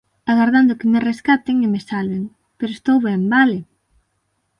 Agardando que me rescaten, e me salven. Pero estou ben, vale?